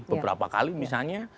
beberapa kali misalnya